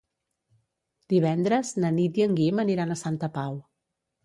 Divendres na Nit i en Guim aniran a Santa Pau.